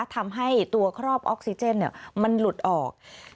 ทำให้ตัวครอบออกซิเจนมันหลุดออก